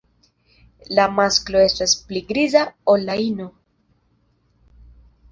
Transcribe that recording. La masklo estas pli griza ol la ino.